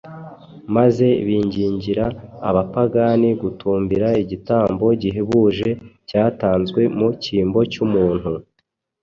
maze bingingira abapagani gutumbira igitambo gihebuje cyatanzwe mu cyimbo cy’umuntu.